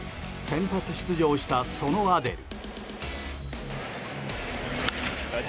先発出場した、そのアデル。